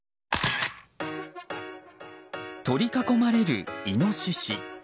取り囲まれるイノシシ。